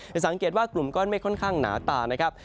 สังเกตว่ากลุ่มก้อนเมฆค่อนข้างหนาตานะครับ